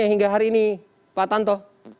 hingga hari ini pak tanto